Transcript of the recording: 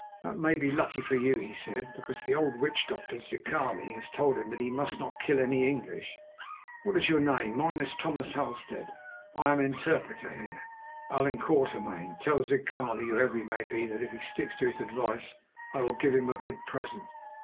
"That may be lucky for you," he said, "because the old witch doctor, Zikali, has told him that he must not kill any English. What is your name? Mine is Thomas Halstead. I am interpreter here." "Allan Quatermain. Tell Zikali, whoever he may be, that if he sticks to his advice I will give him a good present."